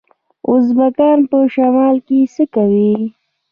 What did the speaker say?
ازبکان په شمال کې څه کوي؟